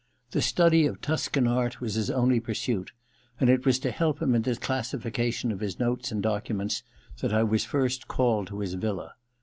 The study of Tuscan art was his only pursuit, and it was to help him in the classification of his notes and documents that I was first called to his villa.